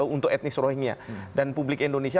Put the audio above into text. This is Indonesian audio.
untuk etnis rohinya dan publik indonesia